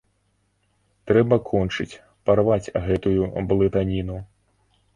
Трэба кончыць, парваць гэтую блытаніну.